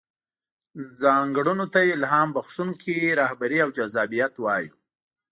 ځانګړنو ته يې الهام بښونکې رهبري او جذابيت وايو.